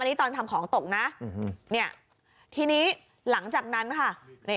นี่ตอนทำของตกนะเนี่ยทีนี้หลังจากนั้นค่ะ